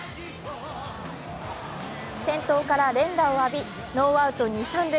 先頭から連打を浴び、ノーアウト二・三塁。